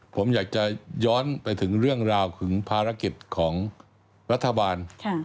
ผมอยากจะย้อนไปถึงเรื่องราวถึงภารกิจของรัฐบาล